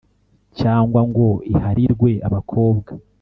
cyangwa ngo iharirwe abakobwa.